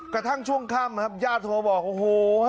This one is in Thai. กระทั่งช่วงข้างครับย่าโทบอกโอ้โห